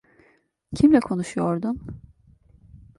Kimle konuşuyordun?